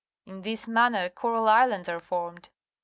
In this manner coral islands are formed.